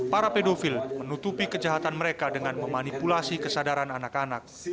para pedofil menutupi kejahatan mereka dengan memanipulasi kesadaran anak anak